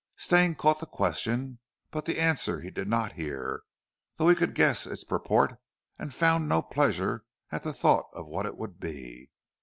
Stane caught the question, but the answer he did not hear, though he could guess its purport and found no pleasure at the thought of what it would be.